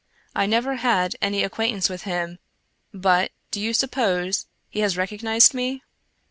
I never had any acquaintance with him, but — do you suppose he has recog nized me?